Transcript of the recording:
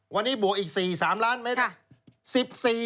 วันนี้บวกอีก๔๓ล้านเมตร